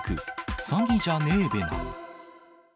詐欺じゃねぇべな。